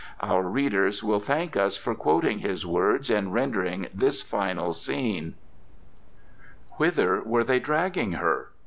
Our readers will thank us for quoting his words in rendering this final scene:— "Whither were they dragging her?...